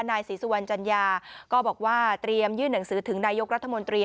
นายศรีสุวรรณจัญญาก็บอกว่าเตรียมยื่นหนังสือถึงนายกรัฐมนตรี